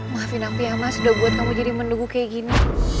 maafin api ya mas udah buat kamu jadi menuku kayak gini